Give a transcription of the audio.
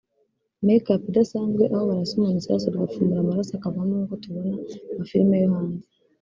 make up idasanzwe aho barasa umuntu isasu rigapfumura amaraso akavamo nk’uko tubibona mu mafilime yo hanze”